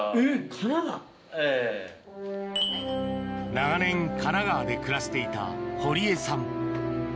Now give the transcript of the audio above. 長年神奈川で暮らしていた堀江さん